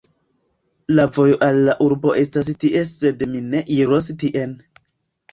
La vojo al la urbeto estas tie sed mi ne iros tien